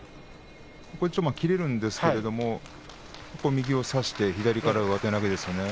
切れるんですけれども右を差して左から上手投げですね。